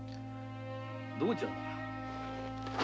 どうじゃな？